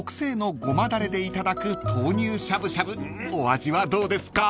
だれでいただく豆乳しゃぶしゃぶお味はどうですか？］